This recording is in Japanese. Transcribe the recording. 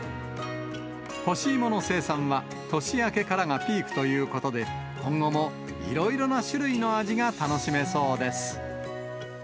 干し芋の生産は、年明けからがピークということで、今後もいろいろな種類の味が楽しめそうです。